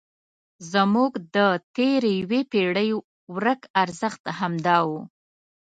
زموږ د تېرې یوې پېړۍ ورک ارزښت همدا و.